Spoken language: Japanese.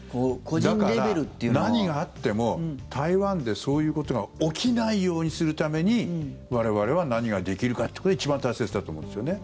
だから何があっても台湾でそういうことが起きないようにするために我々は何ができるかということが一番大切だと思うんですよね。